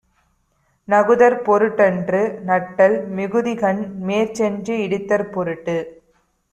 நகுதற் பொருட்டன்று நட்டல், மிகுதிக்கண், மேற்சென்று இடித்தற்பொருட்டு.